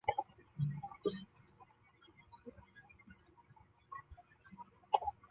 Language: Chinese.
但该公司并没有像它所宣称的那样向公众展示反驳造假的研发技术文档。